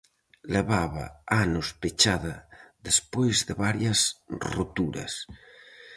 Levaba anos pechada despois de varias roturas.